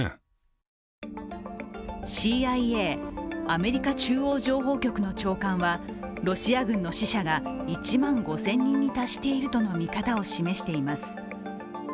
ＣＩＡ＝アメリカ中央情報局の長官はロシア軍の死者が１万５０００人に達しているとの見方を示しています。